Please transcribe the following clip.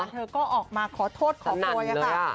เธอก็ออกมาขอโทษของพลอย